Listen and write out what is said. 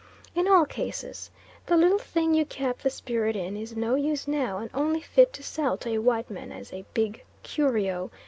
In all cases the little thing you kept the spirit in is no use now, and only fit to sell to a white man as "a big curio!"